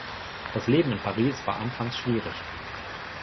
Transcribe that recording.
Das Leben in Paris war anfangs schwierig.